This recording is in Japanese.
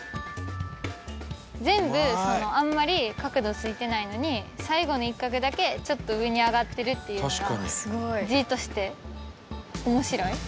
全部あんまり角度ついてないのに最後の一角だけちょっと上に上がってるっていうのが。